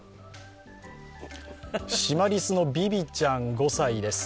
シマリスのビビちゃん５歳です。